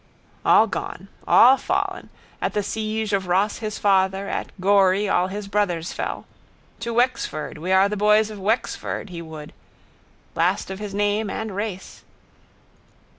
All gone. All fallen. At the siege of Ross his father, at Gorey all his brothers fell. To Wexford, we are the boys of Wexford, he would. Last of his name and race.